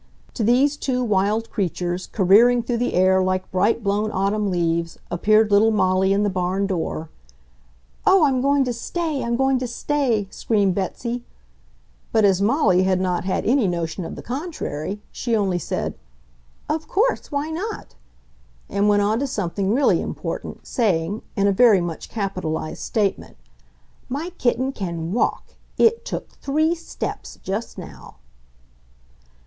To these two wild creatures, careering through the air like bright blown autumn leaves, appeared little Molly in the barn door. "Oh, I'm going to stay! I'm going to stay!" screamed Betsy. But as Molly had not had any notion of the contrary, she only said, "Of course, why not?" and went on to something really important, saying, in a very much capitalized statement, "My kitten can WALK! It took THREE STEPS just now."